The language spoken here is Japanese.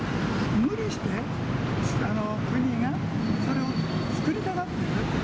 無理して国がそれを作りたがっている。